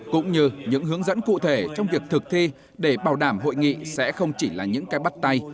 cũng như những hướng dẫn cụ thể trong việc thực thi để bảo đảm hội nghị sẽ không chỉ là những cái bắt tay